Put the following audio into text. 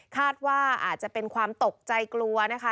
คาดว่าอาจจะเป็นความตกใจกลัวนะคะ